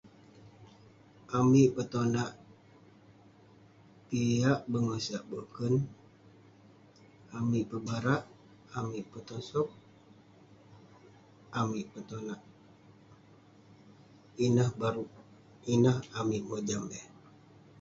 Amik petonak piak bengosak boken, amik pebarak, amik petosok, amik petonak, ineh baruk..ineh amik mojam eh